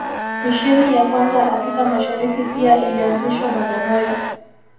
Misheni ya kwanza Afrika Mashariki pia ilianzishwa Bagamoyo